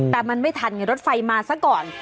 แต่มันไม่ทันไงรถไฟมาซะก่อน